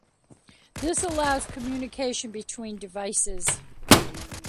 This allows communication between devices.